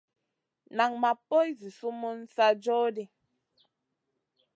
Nan ma poy zi sumun sa joh ɗi.